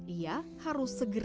ia harus segera